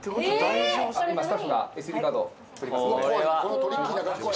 今スタッフがＳＤカード取りますので。